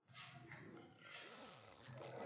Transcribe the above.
Hatto o’zing qolsang yolg’iz